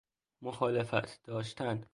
مخالفت داشتن